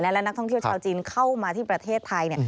และนักท่องเที่ยวชาวจีนเข้ามาที่ประเทศไทย